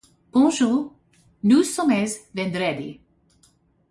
Bonjour, nous sommes vendredi.